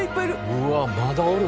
うわっまだおる。